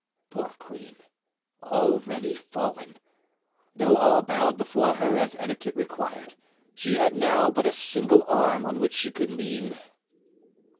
Poor queen, already fallen! Though all bowed before her, as etiquette required, she had now but a single arm on which she could lean.